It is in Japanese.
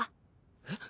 えっ！？